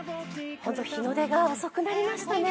日の出が遅くなりましたね。